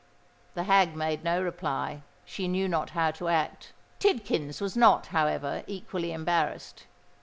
The hag made no reply: she knew not how to act. Tidkins was not, however, equally embarrassed.